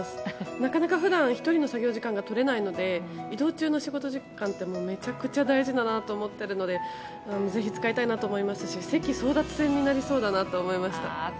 なかなか普段、１人の作業時間が取れないので移動中の時間ってめちゃくちゃ大事だなと思っているのでぜひ使いたいなと思いますし席争奪戦になりそうだと思いました。